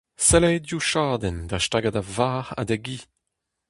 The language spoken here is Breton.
Sell aze div chadenn da stagañ da varc'h ha da gi.